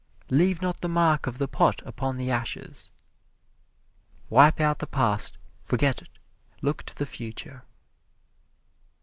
"Leave not the mark of the pot upon the ashes" wipe out the past, forget it, look to the future.